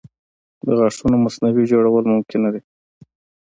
د غاښونو مصنوعي جوړول ممکنه دي.